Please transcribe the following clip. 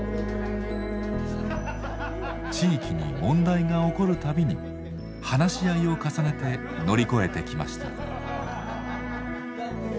地域に問題が起こる度に話し合いを重ねて乗り越えてきました。